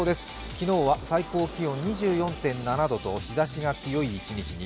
昨日は最高気温２４．７度と日ざしが強い一日に。